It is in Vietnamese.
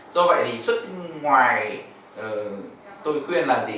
do vậy thì xuất ngoài tôi khuyên là gì